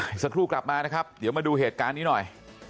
อีกสักครู่กลับมานะครับเดี๋ยวมาดูเหตุการณ์นี้หน่อย